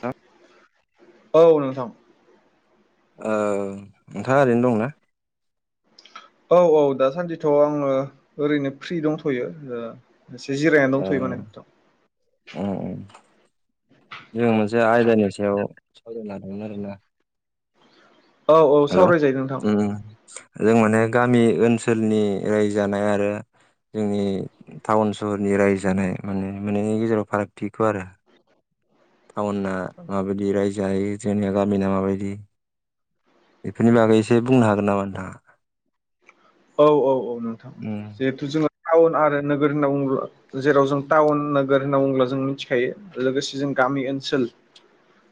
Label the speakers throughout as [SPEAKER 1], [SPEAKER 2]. [SPEAKER 1] दख [unintelligible]
[SPEAKER 2] औ नोंथां।
[SPEAKER 1] ओ नोंथाङ ओरैनो दंना
[SPEAKER 2] औ औ दासान्दिथ' आङो ओरैनो फ्रि दंथ'यो ओ एसे जिरायनानै
[SPEAKER 1] ओ
[SPEAKER 2] दंथ'यो माने नोंथां
[SPEAKER 1] अ [inaudible] जे आयदानि सायाव सावरायनो लाांदोंमोन आरोना
[SPEAKER 2] औ औ
[SPEAKER 1] हेलौ
[SPEAKER 2] सावरायजायो नोंथां
[SPEAKER 1] उम जों माने गामि ओनसोलनि रायजो जानाय आरो जोंनि टाउन सहरनि रायजो जानाय माने मोननि गेजेराव फारागथिखौ आरो टाउनाना माबायदि रायजो जायो जोंनिया गामिना माबायदि बेफोरनि बागै एसे बुंनो हागोन नामा नोंथाङा
[SPEAKER 2] औ औ औ नोंथां
[SPEAKER 1] उम
[SPEAKER 2] जिहेथु जोङो टाउन आरो नोगोर होनना बुंङोला जेराव जों टाउन नोगोर होनना बुंङोब्ला जों मिथिखायो लोगोसे जों गामि गामि ओनसोल
[SPEAKER 1] [inaudible]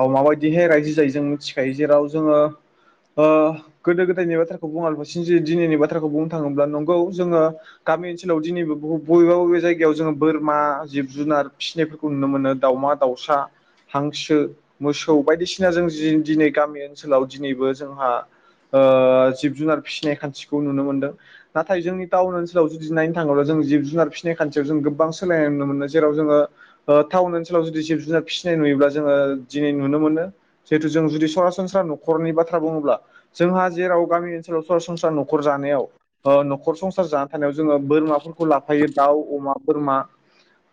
[SPEAKER 2] ओ माबायदिहाय रायजो जायै जों मिथिखायो जेराव जोङो ओ गोदो गोदायनि नबाथ्राखौ दिनैनि बाथ्राखौ बुंनो थाङोब्ला नंगौ जोङो गामि ओनसोलाव दिैबो बेबा बबे बे जायगायाव जोङो बोरमा जिब जुनार फिसिनायफोरखौ नुनो मोनो दाउमा दाउसा हांसो मोसौ बायदिसिना जों दिनै गामि ओनसोलाव दिनैबो जोंहा आ जिब जुनार फिसिनाय खान्थिखौ नुनो मोनदों नाथाय जोंनि टाउन ओनसोलाव जु नायनो थाङोब्ला जों जिब जुनार फिसिनाय खान्थि जों गोबां सोलायनाय नुनो मोन जेराव जोङो टाउन ओनसोलाव जुदि जिब जुनार फिसिनाय नुयोब्ला जोङो दिनै नुनो मोनो जिहेथु जों जुदि सरासनस्रा न'खरनि बाथ्रा बुङोब्ला जोंहा जेराव गामि ओनसोल सरासस न'खर जानायाव न'खर संसार जानानै थानायाव जोङो बोरमाफोरखौ लाफायो दाउ अमा बोरमा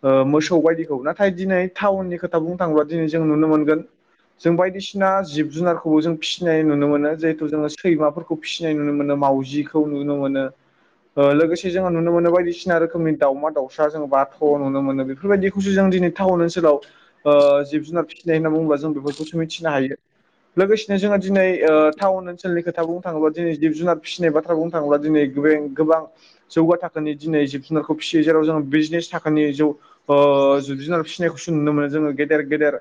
[SPEAKER 2] ओ मोसौ बायदिखौ नाथाय दिनै टाउननि खोथा बुंनो थाङोब्ला दिनै जों नुनो मोनगोन जों बायदिसिना जिब जुनारखौबो जों फिसिनाय नुनो मोनो ज जिहेथु जोङो सैमाफोरखौ फिसिनाय नुनो मोनो मावउजिखौ नुनो मोनो ओ लोगोसे जोङो नुनो मोनो बायदिसिना रोखोमनि दावमा दाउसा जों बाथ' नुनो मोनो बेफोरबायदिखौसो जों जों दिनै टाउन ओनसोलाव जिब जुनार फिसिनाय होनना बुङोब्ला जों बेफोरखौसो मिथिनो हायो लोगोसेनो जोङो दिनै ओ टाउन ओनसोलनि खोथा बुं थाङोब्ला दिनै जिब जुनार फिसिनाय बाथ्रा बुंनो थाङोब्ला दिनै गोबां जौग थाखोनि दिन जिब जुनारखौ फिसियो जेराव जोङो बिजनेस थाखोानि जौ जुनार फिसिनायखौसो नुनो मोनो जोङो गेदेर गेदेर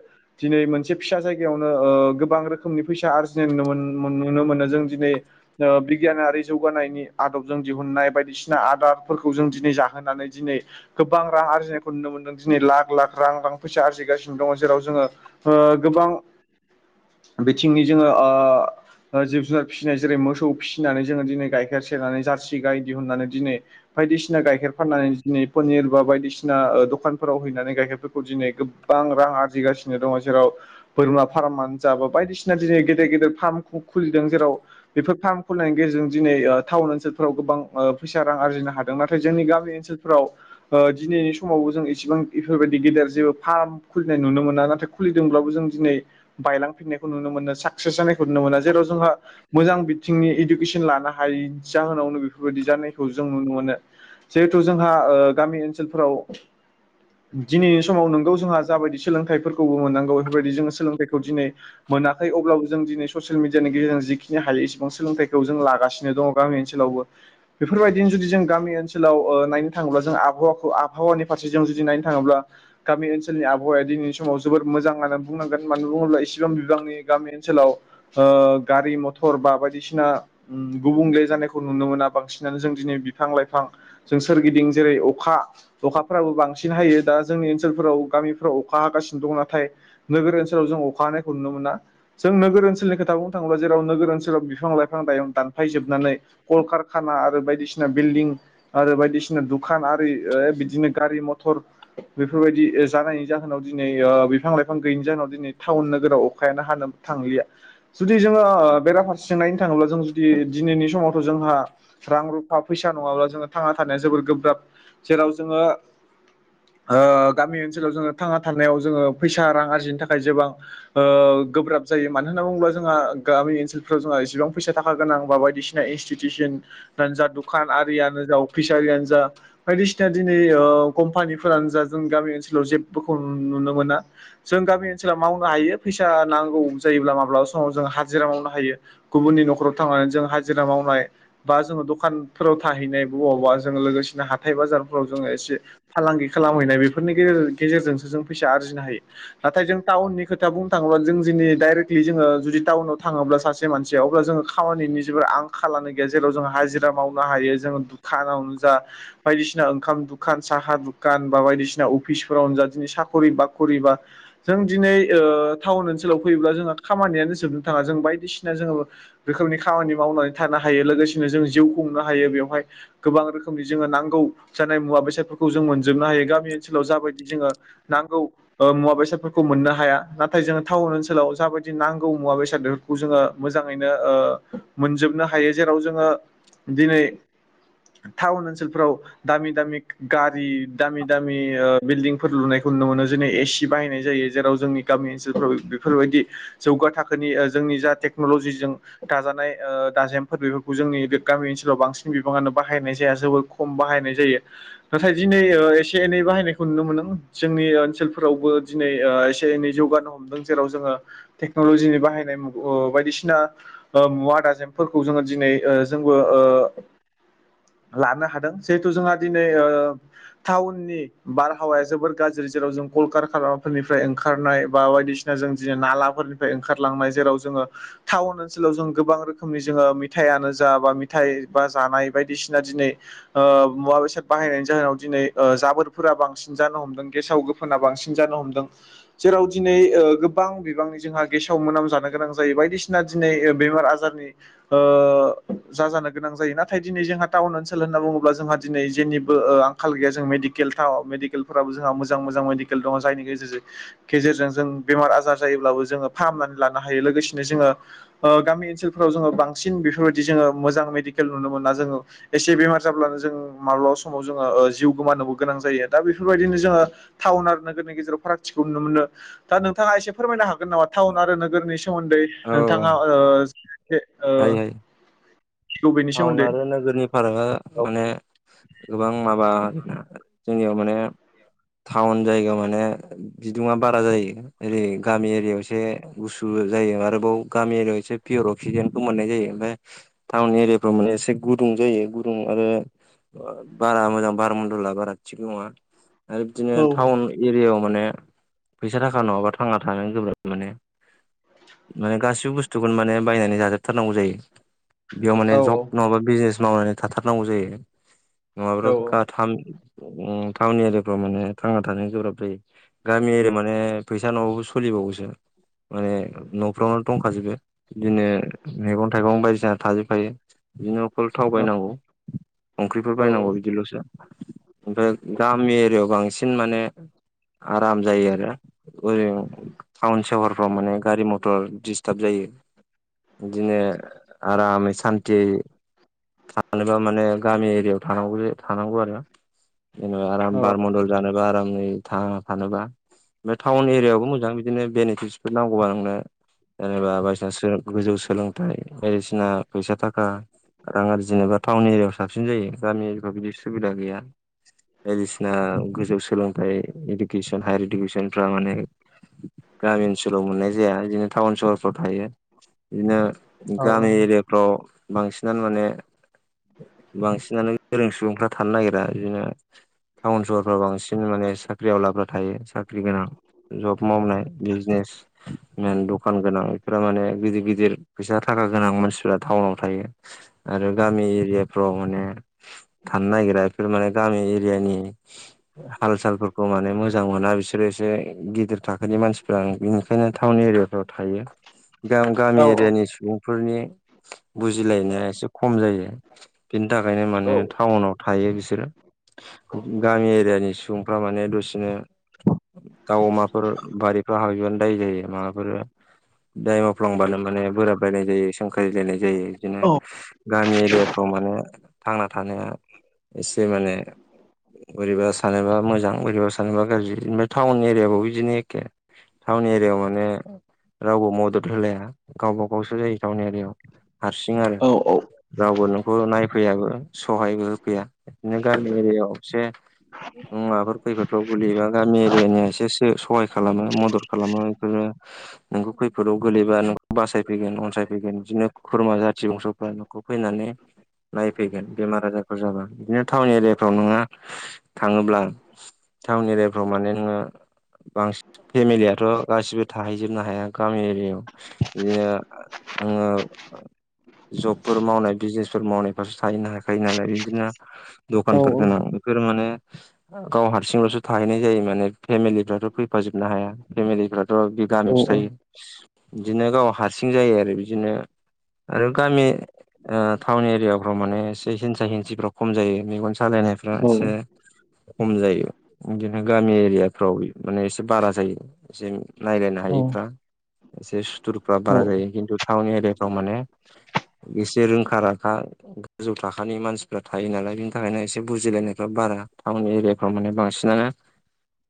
[SPEAKER 2] दिनै मोनसे फिसा जायगायावनो ओ गोबां रोखोमनि फैसा आरजिनाय नुनो नुनो मोनो जों दिनै ओ बिगियानारि जौगानायनि आदबजों दिहुननाय बायदिसिना आदारफोरखौ जों दिनै जाहोनानै दिनै गोबां रां आरजिनायखौ नुनो मोनदों दिनै लाख लाख रां रां फैसा आरजिगासिनो दङ जेराव जोङो ओ गोबां
[SPEAKER 1] [inaudible]
[SPEAKER 2] बिथिंनि जोङो ओ जिब जुनार फिसिनाय जेरै मोसौ फिसिनानै जोङो दिनै गाइखेर सेरनानै जारसि गाय दिहुननानै दिनै बायदिसिना गाइखेर फाननानै दिनै पनिर बा बायदिसिना दखानफोराव हैनानै गाइखेरफोरखौ दिनै गोबां रां आरजिगासिनो दङ जेराव बोरमा फार्मानो जाबो बायदिसिना दिनै गेदेर गेदेर फार्म खुलिदों जेराव बेफोर फार्म खुलिनायनि गेजेरजों दिनै टाउन ओनसोलफ्राव गोबां फैसा रां आरजिनो हादों नाथाय जोंनि गामि ओनसोलफोराव ओ दिनैनि समावबो जों एसेबां बेफोरबायदि गेदेर जेबो फार्म खुलिनाय नुनो मोना नाथाय खुलिदोंब्लाबो जों दिनै बायलांफिननायखौ नुनो मोनो साक्सेस जानायखौ नुनो मोना जेराव जोंहा मोजां बिथिंनि इडुकेसन लानो हायि जाहोनावनो बेफोरबायदि जानायखौ जों नुनो मोनो। जिहेथु जोंहा ओ गामि ओनसोलफोराव दिनैनि समाव नोंगौ जोंहा जाबायदि सोलोंथाइफोरखौबो मोननांगौ बेफोरबायदि जोङो सोलोंथाइखौ दिनै मोनाखै अब्लाबो जों दिनै ससेल मिडियानि गेजेरजों जिखिनि थिनो हायो इसेबां सोलोंथाइखौ जों लागासिनो दङ गामि ओनसोलावबो बेफोरबायदिनो जुदि जों गामि ओनसोलाव ओ नायनो थाङोब्ला जों आबहावाखौ आबहावानि फारसे जों जुदि नायनो थाङोब्ला गामि ओनसोलनि आबहावाया दिनैनि समाव समाव जोबोद मोजां आनो बुंनांगोन मानो बुंङोब्ला इसेबां बिबांनि गामि ओ ओनसोलाव गारि मथ मथर बा बायदिसिना उम गुबुंले जानायखौ नुनो मोना बांसिनानो जों दिनै बिफां लाइफां जों सोरगिदिं जेरै अखा-अखाफ्राबो बांसिन हायो दा जोंनि ओनसोलफोराव गामिफ्राव अखा हागासिनो दङ नाथाय नोगोर ओनसोलाव जों अखा हानायखौ नुनो मोना जों नोगोर ओनसोलनि खोथा बुंनो थाङोबा जेराव नोगोर ओनसोलाव बिफां लाइफां दायं दानफायजोबनानै कलकारखाना आरो बायदिसिना बिल्डिं आरो बायदि बायदिसिना दुखान आरि ओ बिदिनो गारि मथर बेफोरबायदि जानायनि जाहोनाव दिनै ओ बा बिफां लाइफां गैयैनि जाहोनाव दिनै टाउन नोगोराव अखायानो हानो थांलिया जुदि जोङो ओ बेराफारसे सोंनायनो थाङोब्ला जों जुदि दिनैनि समावथ' जोंहा रां रुफा फैसा नङाब्ला जोङो थांना थानाया जोबोद गोब्राब जेराव जोङो ओ गामि ओनसोलाव जोङो थांना थानायाव जोङो फैसा रां आरजिनो थाखाय जेबां ओ गोब्राब जायो मानो होनाबुंब्ला जोङा गामि ओनसोल फ्राव जोंहा इसेबां फैसा थाखा गोनां बा बायदिसिना इनस्टिटिउसनानो जा दखान आरियानो जा अफिसारि यारि जा बायदिसिना दिनै ओ कम्पानिफोरानो जा जों गामि ओनसोलाव जेबोखौ नुनो मोन ना जों गामि ओनसोलाव मावनो हायो फैसा नांगौ जायोब्ला माब्लाबा समाव जों हाजिरा मावनो हायो। गुबुननि न'खराव थांनानै जों हाजिरा मावनाय बा जोङो दखानफोराव थाहैनाय बबावबा जोङो लोगोसेनो हाथाय बाजारफोराव जोङो एसे फालांगि खालामहैनाय बेफोरनि गेजेरजों गेजेरजोंसो जों फैसा आरजिनो हायो नाथाय जों टाउननि खोथा बुंनो थाङोब्ला जों जोंनि डाइरेक्टलि जोङो जुदि टाउनाव थाङोब्ला सासे बे मानसि अब्ला जोङो खामानिनि जेबो आंखाल लानो गैया जेराव जोङो हाजिरा मावनो हायो जोङो दुखानावनो जा बायदिसिना ओंखाम दुखान साहा दुखान बा बायदिसिना अफिसफोरावनो जा दिनै साखरि बाख खरिबा जों दिनै ओ टाउन ओनसोलाव फैयोब्ला जोंहा खामानियानो जोबनो थाङा जों बायदिसि जोङो रोखोमनि खामानि मावनानै थानो हायो लोगोसेनो जों जिउ खुंनो हायो बेवहाय गोबां रोखोम रोखोमनि जोङो नांगौ जानाय मुवा बेसादफोरखौ जों मोनजोबनो हायो गामि ओनसोलाव जाबायदि जोङो नांगौ ओ मुवा बेसादफोरखौ मोननो हाया नाथाय जोङो टाउन ओनसोलाव जाबायदि नांगौ मुवा बेसाद बेफोरखौ जोङो मोजाङैनो ओ मोनजोबनो हायो जेराव जोङो दिनै टाउन ओनसोलफोराव दामि दामि गारि दामि दामि ओ बिल्डिंफोर लुनायखौ नुनो मोनो जेनै एसि बाहायनाय जायो जेराव जोंनि गामि ओनसोलफ्राव बेफोरबायदि जौगा थाखोनि ओ जों नि जाहाथे टेक्न'लजिजों दाजानाय ओ दाजेमफोर बेफोरखौ जोंनि बे गामि ओनसोलाव बांसिन बिबाङानो बाहायनाय जाया। जोबोर खम बाहायनाय जायो नाथाय दिनै ओ एसे एनै बाहायनायखौ नुनो मोनदों जोंनि ओनसोल फोरावबो दिनै ओ एसे एनै जौगानो हमदों जेराव जोङो टेक्नल'जिनि बाहायनाय मु ओ बाय दिसिना ओ मुवा दाजेमफोरखौ जोङो दिनै ओ जोंबो ओ लानो हादों जिहेथु जोंहा दिनै ओ टाउननि बारहावाया जोबोर गाज्रि जेराव जों कलकार खालामफोरनिफ्राय ओंखारनाय बा बायदिसिना जों जे नालाफोरनिफ्राय ओंखारलांनाय जेराव ज जोङो टाउन ओनसोलाव जों गोबां रोखोमनि जोङो मेथाइयानो जा बा मेथाइ बा जानाय बायदिसिना दिनै ओ मुवा बेसाद बाहायनायनि जाहोनाव दिनै ओ जाबोरफोरा बांसिन जानो हमदों गेसाव गोफोना बांसिन जानो हमदों जेराव दिनै ओ गोबां बिबांनि जोंहा गेसाव मोनाम जानो गोनां जायो बायदिसि दिना दिनै बेमार आजारनि ओ जा जानोगोनां जायो नाथाय दिनै जोंहा टाउन ओनसोल होनना बुङोब्ला जोंहा दिनै जेनिबो ओ आंखाल गैया जों मेडिकेल थावाव मेडिकेलफोराबो जोंहा मोजां मोजां मेडिकेल दं दङ जायनि गेजेर-गेजेरजों जों बेमार आजार जायोब्लाबो जोङो फाहामनानै लानो हायो लोगोसेनो जोङो ओ गामि ओनसोलफोराव जोङो बांसिन बेफोरबायदि जोङो मोजां मेडिकेल नुनो मोना जोङो एसे बेमार जाब्लानो जों माब्लाबा समाव जोंहा ओ जिउ गोमानोबो गोनां जायो दा बेफोरबायदिनो जोंङो थाउन आरो नोग गेजेराव फारागथिखौ नुनो मोनो दा नोथाङा एसे फोरमायनो हाग गोन नामा टाउन आरो नोगोरनि सोमोन्दै
[SPEAKER 1] औ औ
[SPEAKER 2] नोंथाङा ओ ए ओ
[SPEAKER 1] हायो हायो टाउन आरो नोगोरनि फारागा
[SPEAKER 2] औ
[SPEAKER 1] माने गोबां माबा आरोना जोंनियाव माने टाउन जायगायाव माने बिदुङा बारा जायो ओरै गामि एरियायाव एसे गुसु। बो जायो आरोबाव गामि एरियाव एसे पिअर अगसिजेन मोन्नाय जायो आमफाय टावोन माने एसे गुदुं जायो गुदुं आरो बारा मोजां बार मडला बारा थिग नङा आरो बिदिनो टाउन एरियाायाव माने फैसा थाखा नङाबा थांना थानोनो गोब्राब माने माने गासिबो बुस्थुखौनो माने बायनानै जाजोबथारनांगौ जायो बेयाव माने जग बिजनेस मावनानै थाथारनांगौ जायो नङाब्ला गाथाम। टाउन एरियाफ्राव माने थांना थानो गोब्राब जायो गामि एरि माने फैसा न'आवबो सोलिब। बावोसो माने न'फ्रावनो दंखाजोबो बिदिनो मैगं थाइगं बायदिसिना थाजोबखायो। बिदिनो फल थाव बायनांगौ ओंख्रिफोर बायनांगौ बिदिल'सो ओमफ्राय गामि एरिया याव। बांसिन माने आराम जायो आरो ओरै टाउन सहरफ्राव माने गारि मथर दिडिसताब जायो। बिदिनो आरामै सान आथि थानोबा माने गामि एरियायाव थांगौ थानांगौ आरो। जेनेबा आराम बार मडल जानोबा आरामै थाङ थानोबा। बे टाउन एरियायावबो मोजां बिदिनो बेनिफिटसफोर नांगौबा नोंनो। जेनेबा बायदिसिना गोजौ सोलोंथाइ बायदिसिना फैसा थाखा। रां आरजि नोबा टाउन एरियाायाव साबसिन जायो गामि एरियाफ्राव बिदि सुबिदा गैया। बायदिसिना गोजौ सोलोंथाइ इडुकेसन हायार इडुकेसनफ्रा माने। गामि ओनसोलाव मोननाय जाया बिदिनो टाउन सहरफ्राव थायो बिदिनो। गामि एरियाफ्राव बांसिनानो माने बांसिनानो गोरों सुबुंफ्रा थानो नागिरा बिदिना। टाउन सहरफ्राव बांसिन माने साख्रि आवलाफ्रा थायो साख्रि गोनां जब मावनाय बिजनेसव मेन दखान गोनां बेफोरा माने गिदिर गिदिर फैसा थाखा गोनां मानसिफोरा टाउनाव आरो गामि एरियाफ्राव माने थनो नागिर बेफोर माने गामि एरिया । हाल सालफोरखौ माने मोजां मोना बिसोरो एसे गिदिर थाखोनि मानसिफ्रा बिनिखायनो टाउन एरियाफ्राव थायो। गामि एरियानि सुबुंफोरनि बुजिलायनाया एसे खम जायो बिनि थाखायनो माने टाउनाव थायो बिसोरो। गामि एरियानि सुबुंफ्रा माने दसेनो। दाव अमाफोर बारि हा बिदिबानो दाय जायो माबाफोर दाय मावफ्लांबानो माने बोराब बायनाय जायो संख्रि। जायो बिदिनो गामि एरियाफ्राव माने थांना थानाया एसे माने। बोरैबा सानोबा मोजां बोरैबा सानोबा गाज्रि ओमफ्राय टाउन एरियाबबो बिदिनो एखे टाउन एरियायाव माने। रावबो मदद होलाया गावबा गावसो जायो टाउन एरियायाव। हारसिं आरो रावबो नोंखौ नायफैयाबो। सहायबो होफैया बिदिनो गामि एरियायाव एसे। मुवाफोर खैफोदफ्राव गोलैयोबा गामि एरियानिया एसेसो सहाय खालामो मदद खालामो बेफोरो। नोंखौ खैफोदाव गोलैबा नों बासायफैगोन अनसायफैगोन बिदिनो। खुरमा जाथि बंस'फ्रा नों'खौ फैनानै। नायफैगोन बेमार आजारफोर जाबा बिदिनो टाउन एरियाफ्राव नोङा थाङोब्ला। टाउन एरियाफ्राव माने नोङो। बांसिन फेमिलियाथ' गासिबो थाहैजोबनो हाया गामि एरियायाव बिदिनो आङो जबफोर मावनाय बिजनेसफोर मावनायफ्रासो थाहैनो हाखायो नालाय बिदिनो दखानफोर गोनांफोर बेफोर माने गाव हारसिंल'सो थाहैनाय जायो माने फेमिलिफ्राथ' फैफ जोबनो हाया फेमिलि फ्राथ' बे गामयावसो थायो बिदिनो गाव हारसिं जायो आरो बिदिनो आरो गामि टाउन एरियाफ्राव माने एसे हिंसा हिंसिफाव खम जायो मेगन सालायनायफ एसे खम जायो बिदिनो गामि एरियाफ्राव माने एसे बारा जायो एसे नायलायनानै हायैफ्रा एसे सुथुरफ्रा बारा जायो खिन्थु ताउन एरियाफ्राव माने एसे रोंखा राखा गोजौ थाखानि मानसिफ्रा थायो नालाय बिनि थाखायनो एसे बुजिलायनायफ्रा बारा रा टाउन एरियाफ्राव माने बांसिनानो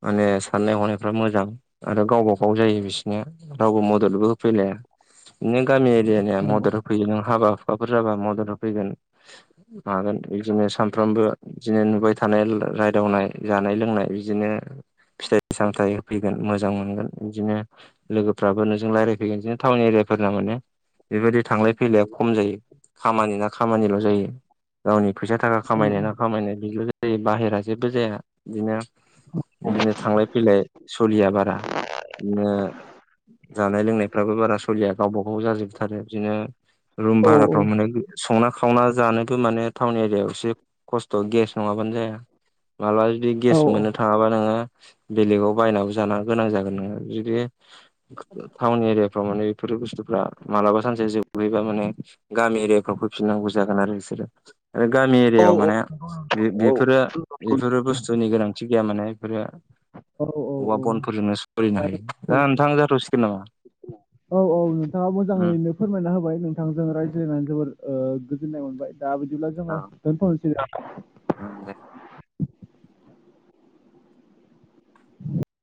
[SPEAKER 1] माने साननाय हनायफ्रा मोजां आरो गावबा गाव जायो बिसिनिया रावबो मददबो होफैलाया। नो गामि इरिया या
[SPEAKER 2] औ
[SPEAKER 1] मदद होफैयो हाबा हुखााफोर जाबा मदद होफैगोन मागोन बिदिनो सानफ्रामबो बिदिनो नुबाय थानाय रायदावनाय जानाय लोंनाय बिदिनो फिथाइ सामथाइ होफैगोन मोजां मोनगोन बिदिनो लोगोफ्राबो नोंजों रायज्लायफैगोन बिदिनो टाउन एरिया फोरना माने बेबायदि थांलाय फैलाया खम जायो, खामानि ना खामानिल' जायो गावनि फैसा थाखा खामायनायना खामायनाय बिल जायो बाहेरा जेबो जाया बिदिनो बिदिनो थांलाय फैलाय सलिया बारा बिदिनो जानाय लोंनायफ्राबो बारा सलिया गावबा गाव जाजोब आरो बिदिनो रुम भाराफ्राव मोनो संना खावना जानोबो माने टाउन एरियायाव एसे खस्थ' गेस नङाबानो जाया मालाबा जुदि गेस
[SPEAKER 2] औ
[SPEAKER 1] मोननो
[SPEAKER 2] औ
[SPEAKER 1] थाङाबा नोङो बेलेकगाव बायनाबो जाना गोनां जागोन नोङो जुदि टाउन एरियाफ्राव माने बेफोर बुस्थुफ्रा मालाबा सानसे जोबहैबा माने गामि एरियाफ्राव फैफिननांगौ जागोन आरो बिसोरो आरो गामि एरियायाव माने बे बेफोरो बेफोरो बुस्थुनि गोनांथि गैया माने बेफोरो औवा बनफोरजोंनो सलिनो हायो दा नोंथां जाथ'सिगोन नामा?
[SPEAKER 2] औ नोंथाङा
[SPEAKER 1] उम
[SPEAKER 2] मोजाङैनो फोरमायना होबाय नोंथांजों रायज्लायनानै जोबोर ओ गोजोननाय मोनबाय
[SPEAKER 1] औ
[SPEAKER 2] । दा